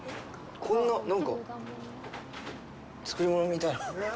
こんな、なんか、作りものみたいな。